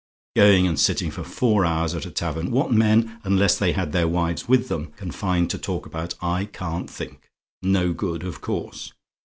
"Going and sitting for four hours at a tavern! What men, unless they had their wives with them, can find to talk about, I can't think. No good, of course.